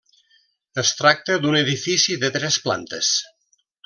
Es tracta d'un edifici de tres plantes.